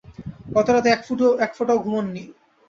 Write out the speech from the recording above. গত রাতে এক ফোঁটাও ঘুমোন নি।